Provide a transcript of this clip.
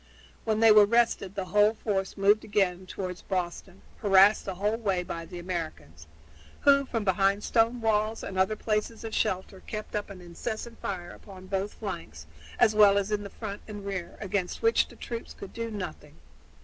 When they were rested the whole force moved forward again toward Boston, harassed the whole way by the Americans, who from behind stone walls and other places of shelter kept up an incessant fire upon both flanks, as well as in the front and rear, against which the troops could do nothing.